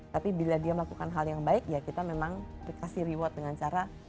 tapi bila dia melakukan hal yang baik ya kita memang dikasih reward dengan cara